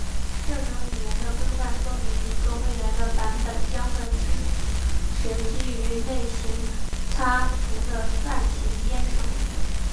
这种语言的规范说明一个未来的版本将会支持基于类型擦除的泛型编程。